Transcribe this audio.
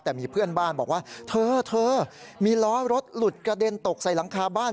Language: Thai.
แต่มีเพื่อนบ้านบอกว่าเธอเธอมีล้อรถหลุดกระเด็นตกใส่หลังคาบ้าน